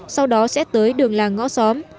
sau đó sẽ tới đường làng ngõ xóm